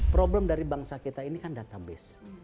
problem dari bangsa kita ini kan database